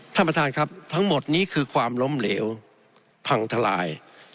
ท่านประธานครับทั้งหมดนี้คือความล้มเหลวพังทลาย